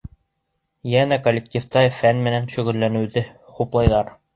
Йәнә коллективта фән менән шөғөлләнеүҙе хуплайҙар.